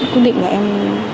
quyết định là em